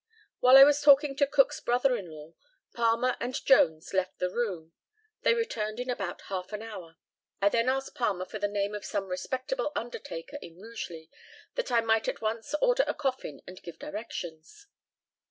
While I was talking to Cook's brother in law, Palmer and Jones left the room. They returned in about half an hour. I then asked Palmer for the name of some respectable undertaker in Rugeley, that I might at once order a coffin and give directions.